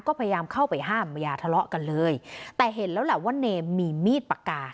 ก็พยายามเข้าไปห้ามไม่อย่าทะเลาะกันเลยแต่เห็นแล้วแหละว่าเนมมีมีดปากกา